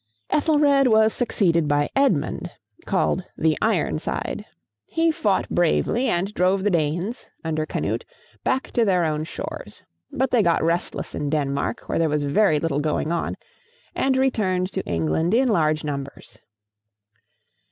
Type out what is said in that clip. Ethelred was succeeded by Edmund, called "the Ironside." He fought bravely, and drove the Danes, under Canute, back to their own shores. But they got restless in Denmark, where there was very little going on, and returned to England in large numbers.